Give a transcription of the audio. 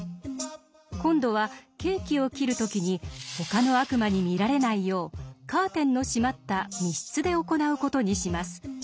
今度はケーキを切る時に他の悪魔に見られないようカーテンの閉まった密室で行う事にします。